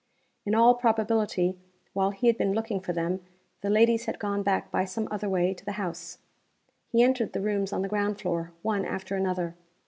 In all probability, while he had been looking for them, the ladies had gone back by some other way to the house. He entered the rooms on the ground floor, one after another.